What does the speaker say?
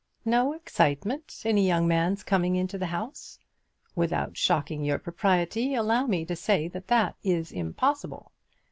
"No excitement in a young man's coming into the house! Without shocking your propriety, allow me to say that that is impossible.